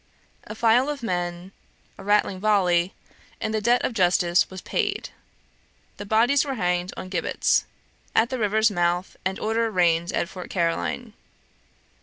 A file of men, a rattling volley, and the debt of justice was paid. The bodies were hanged on gibbets, at the river's mouth, and order reigned at Fort Caroline.